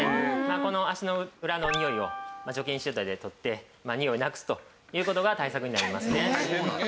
この足の裏のにおいを除菌シートで取ってにおいをなくすという事が対策になりますね。